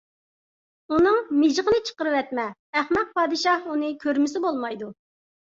ئۇنىڭ مىجىقىنى چىقىرىۋەتمە، ئەخمەق پادىشاھ ئۇنى كۆرمىسە بولمايدۇ.